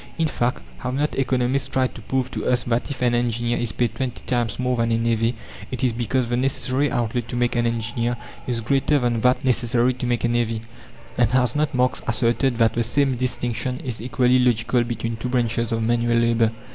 In fact have not economists tried to prove to us that if an engineer is paid twenty times more than a navvy it is because the "necessary" outlay to make an engineer is greater than that necessary to make a navvy? And has not Marx asserted that the same distinction is equally logical between two branches of manual labour?